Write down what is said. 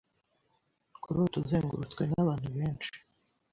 Kurota uzengurutswe n’abantu benshi.